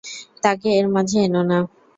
তাকে এর মাঝে এনো না।